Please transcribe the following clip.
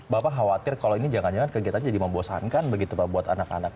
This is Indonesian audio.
bapak khawatir kalau ini jangan jangan kegiatan jadi membosankan begitu pak buat anak anak